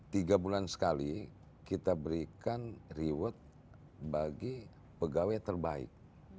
tiga bulan sekali kita berikan reward bagi pegawai terbaik